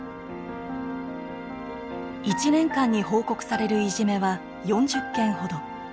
１年間に報告されるいじめは４０件ほど。